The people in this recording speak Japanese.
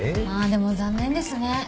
まあでも残念ですね。